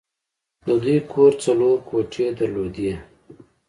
د دوی کور څلور کوټې درلودې